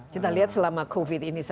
kita lihat selama covid ini